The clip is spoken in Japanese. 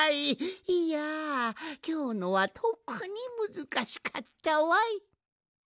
いやきょうのはとくにむずかしかったわい。